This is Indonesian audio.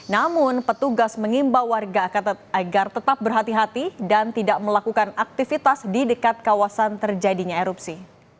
namun petugas mengimbau wargat agar tetap berhati hati dan tidak melakukan aktivitas di dekat kawasan terjadinya erupsi